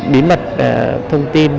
đến mặt thông tin